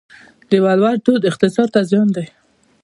د ولور دود اقتصاد ته زیان دی؟